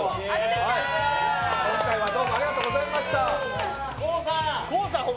今回はどうもありがとうございました